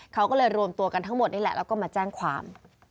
เขาก็เลยรวมตัวกันทั้งหมดนี่แหละแล้วก็มาแจ้งความ